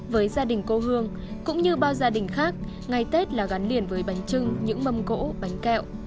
với gia đình cô hương cũng như bao gia đình khác ngày tết là gắn liền với bánh trưng những mâm gỗ bánh kẹo